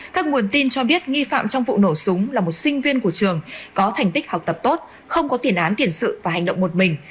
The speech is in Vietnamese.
các nguồn tin cho biết nghi phạm trong vụ nổ súng là một sinh viên của trường có thành tích học tập tốt không có tiền án tiền sự và hành động một mình